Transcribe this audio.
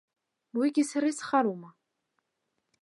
Уигьы сара исхароума?